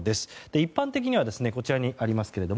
一般的には、こちらにあります